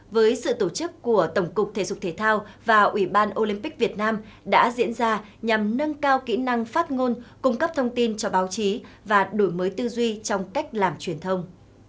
với sự tổ chức của tổng cục thể dục thể thao và ủy ban olympic việt nam đã diễn ra nhằm nâng cao kỹ năng phát ngôn cung cấp thông tin cho báo chí và đổi mới tư duy trong cách làm truyền thông